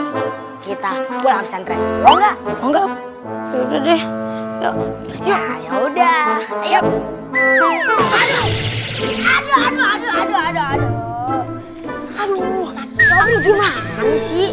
makan pardi kita pulang sentra nggak nggak udah ya udah aduh aduh aduh aduh aduh aduh aduh aduh